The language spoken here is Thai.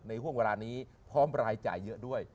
ห่วงเวลานี้พร้อมรายจ่ายเยอะด้วย